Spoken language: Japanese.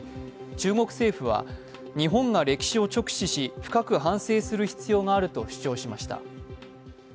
中国政府は日本が歴史を直視し、深く反省する必要があると主張しました。